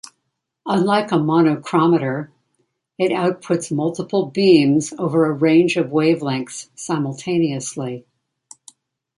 Unlike a monochromator, it outputs multiple beams over a range of wavelengths simultaneously.